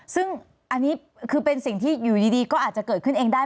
ซึ่งอันนี้คือเป็นสิ่งที่อยู่ดีก็อาจจะเกิดขึ้นเองได้